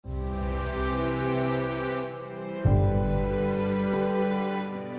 มีคนที่อยากอยู่ที่ห้องกลางสายฟน